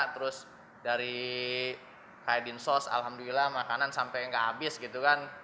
terus dari kayak dinsos alhamdulillah makanan sampai nggak habis gitu kan